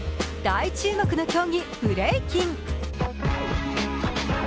大注目の競技、ブレーキン。